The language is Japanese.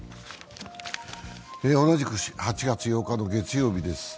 同じく８月８日の月曜日です。